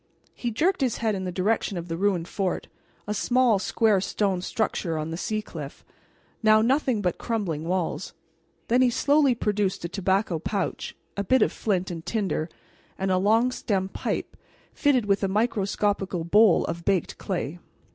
He jerked his head in the direction of the ruined fort, a small, square stone structure on the sea cliff, now nothing but crumbling walls. Then he slowly produced a tobacco pouch, a bit of flint and tinder, and a long stemmed pipe fitted with a microscopical bowl of baked clay.